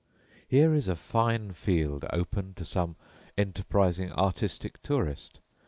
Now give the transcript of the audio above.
Here is a fine field open to some enterprising artistic tourist.